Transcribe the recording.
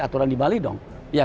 aturan di bali dong